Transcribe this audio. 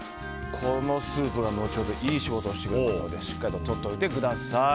このスープが後ほどいい仕事をしますのでしっかりととっておいてください。